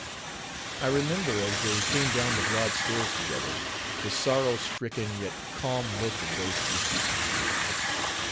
I remember, as they came down the broad stairs together, the sorrow stricken yet calm look of those two people.